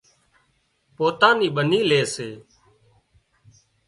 پوتان نِي ٻنِي لي سي